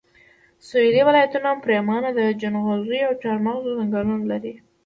سويلي ولایتونه پرېمانه د جنغوزیو او چارمغزو ځنګلونه لري